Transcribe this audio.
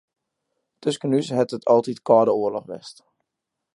Tusken ús hat it altyd kâlde oarloch west.